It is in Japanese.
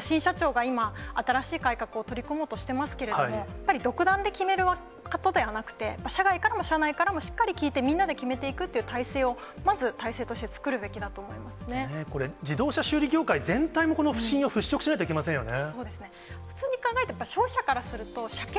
新社長が今、新しい改革を取り込もうとしていますけれども、やっぱり独断で決める方ではなくて、社外からも社内からもしっかり聞いて、みんなで決めていくという体制をまず、体制として作るべきだと思これ、自動車修理業界全体の不信を払拭しないといけませんよね。